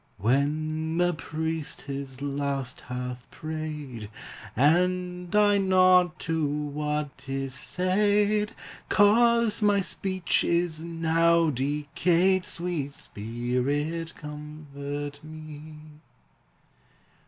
When the priest his last hath prayed, And I nod to what is said 'Cause my speech is now decayed, Sweet Spirit, comfort me!